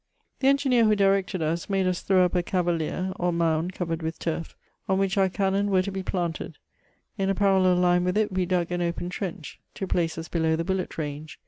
The engineer who directed us, made us throw up a cavalier y or mound covered with turf, on which our cannon were to he planted ; in a parallel line with it we dug an open trench, to plaee us below the bullet range.